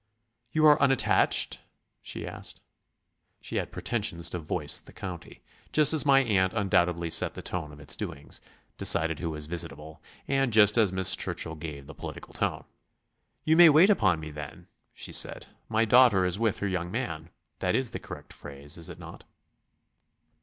"You are unattached?" she asked. She had pretensions to voice the county, just as my aunt undoubtedly set the tone of its doings, decided who was visitable, and just as Miss Churchill gave the political tone. "You may wait upon me, then," she said; "my daughter is with her young man. That is the correct phrase, is it not?"